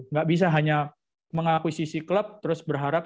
nggak bisa hanya mengakuisisi klub terus berharap